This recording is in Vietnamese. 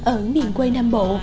ở miền quê nam bộ